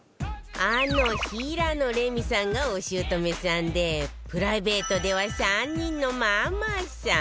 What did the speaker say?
あの平野レミさんがお姑さんでプライベートでは３人のママさん